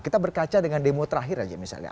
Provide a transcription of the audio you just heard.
kita berkaca dengan demo terakhir aja misalnya